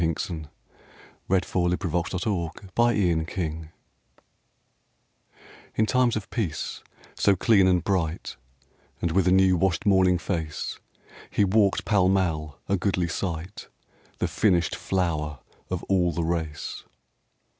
/ hear an Army I FLOWER OF YOUTH THE GOLDEN BOY IN times of peace, so clean and bright, And with a new washed morning face, He walked Pall Mall, a goodly sight, The finished flower of all the race.